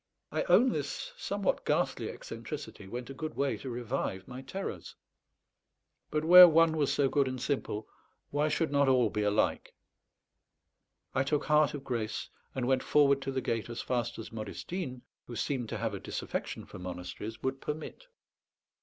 I own this somewhat ghastly eccentricity went a good way to revive my terrors. But where one was so good and simple, why should not all be alike? I took heart of grace, and went forward to the gate as fast as Modestine, who seemed to have a disaffection for monasteries, would permit.